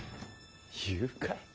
誘拐？